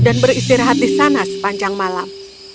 beristirahat di sana sepanjang malam